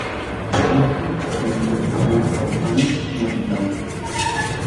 W lipcu dziennik Financial Times napisał